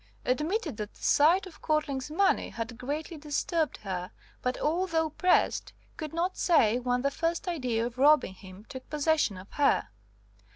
Admitted that the sight of Quadling's money had greatly disturbed her, but, although pressed, would not say when the first idea of robbing him took possession of her.